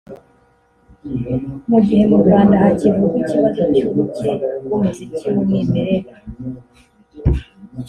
Mu gihe mu Rwanda hakivugwa ikibazo cy’ubuke bw’umuziki w’umwimerere